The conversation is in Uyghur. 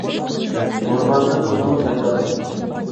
ئورماندىن ئوتۇن ئەكەلدۇق.